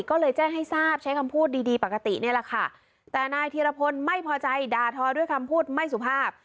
ก็เลยแจ้งให้ทราบใช้คำพูดดีดีปกตินี่แหละค่ะแต่นายธีรพลไม่พอใจด่าทอด้วยคำพูดไม่สุภาพ